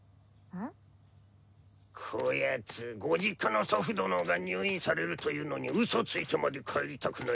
こやつご実家の祖父殿が入院されるというのにうそついてまで帰りたくないようです。